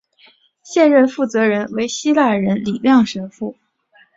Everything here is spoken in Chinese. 现任负责人为希腊人李亮神父。